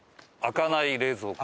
開かない冷蔵庫。